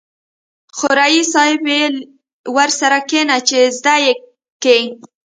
خو ريس صيب ويلې ورسره کېنه چې زده يې کې.